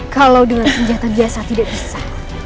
kalau dengan senjata biasa tidak bisa